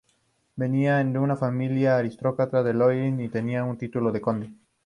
Venía de una familia aristocrática del Loiret, y tenía el título de conde.